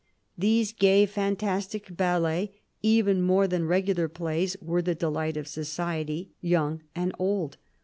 These gay fantastic ballets, even more than regular plays, were the delight of society, young and old.